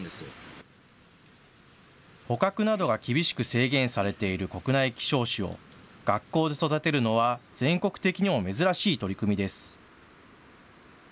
捕獲などが厳しく制限されている国内希少種を学校で育てるのは全国的にも珍しい取り組みです。